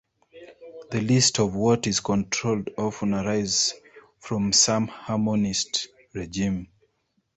The lists of what is controlled often arise from some harmonised regime.